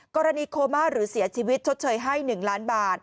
กรณีโคม่าหรือเสียชีวิตชดเชยให้๑ล้านบาท